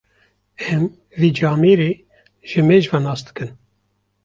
Em wî camêrî ji mêj ve nasdikin.